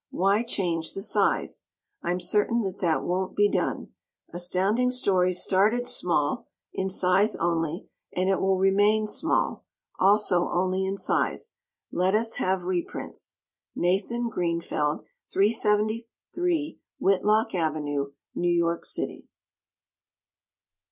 Why change the size? I'm certain that that won't be done. Astounding Stories started small (in size only) and it will remain small (also only in size). Let us have reprints. Nathan Greenfeld, 373 Whitlock Ave., New York City.